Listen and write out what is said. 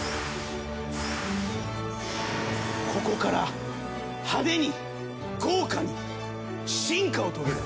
ここから派手に豪華に進化を遂げる。